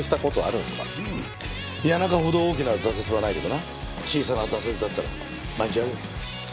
うん谷中ほど大きな挫折はないけどな小さな挫折だったら毎日あるよ。